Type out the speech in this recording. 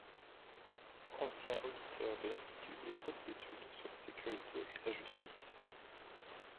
Ancien auditeur de l'Institut des Hautes Études sur la Sécurité et la Justice.